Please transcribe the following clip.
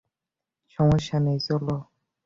সমস্যা নেই, চলো।